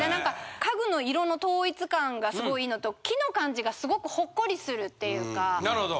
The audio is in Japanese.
家具の色の統一感がすごい良いのと木の感じがすごくほっこりするっていうか。